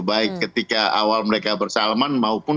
baik ketika awal mereka bersalman